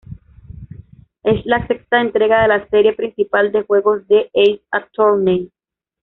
Es la sexta entrega de la serie principal de juegos de "Ace Attorney".